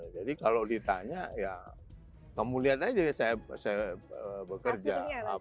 jadi kalau ditanya ya kamu lihat aja saya bekerja